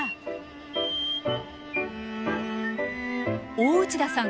大内田さん